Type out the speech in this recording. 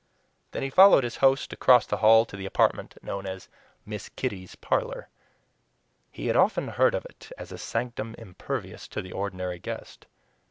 Then he followed his host across the hall to the apartment known as "Miss Kitty's parlor." He had often heard of it as a sanctum impervious to the ordinary guest.